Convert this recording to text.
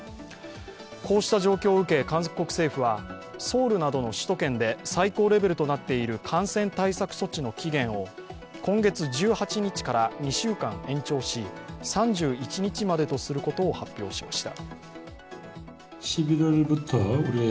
こうした状況を受け韓国政府はソウルなどの首都圏で最高レベルとなっている感染対策措置の期限を今月１８日から２週間延長し、３１日までとすることを発表しました。